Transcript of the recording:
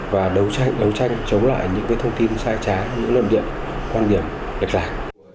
và đấu tranh chống lại những thông tin sai trái những lầm điện quan điểm đặc lạc